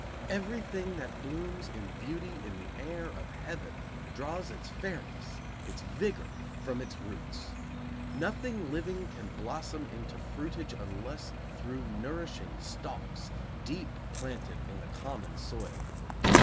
Everything that blooms in beauty in the air of heaven draws its fairness, its vigor, from its roots. Nothing living can blossom into fruitage unless through nourishing stalks deep planted in the common soil.